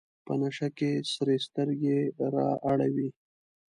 په نشه کې سرې سترګې رااړوي.